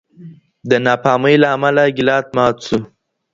د ناپامۍ له امله ګیلاس مات شو.